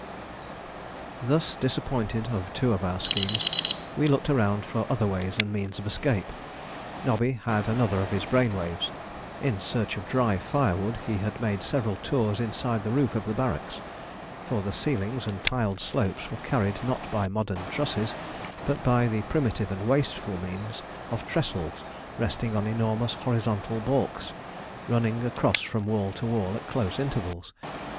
Thus disappointed of two of our schemes, we looked around for other ways and means of escape. Nobby had another of his brain waves. In search of dry firewood he had made several tours inside the roof of the barracks: for the ceilings and tiled slopes were carried not by modern trusses, but by the primitive and wasteful means of trestles resting on enormous horizontal baulks, running across from wall to wall at close intervals.